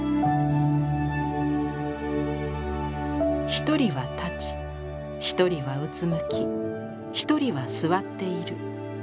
「一人は立ち一人はうつむき一人は座っている。